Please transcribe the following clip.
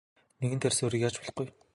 Нэгэнт тарьсан үрийг яаж ч болохгүй.